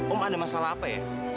om ada masalah apa ya